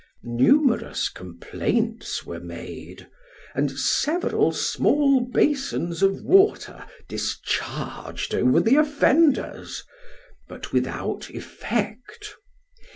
Numerous complaints were made, and several small basins of water discharged over the offenders, but without effect.